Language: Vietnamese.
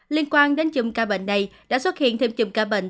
liên quan đến chùm ca bệnh này đã xuất hiện thêm chùm ca bệnh